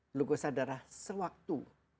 glukosa darah sewaktu